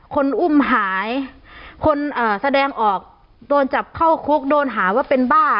คนอุ้มหายคนแสดงออกโดนจับเข้าคุกโดนหาว่าเป็นบ้า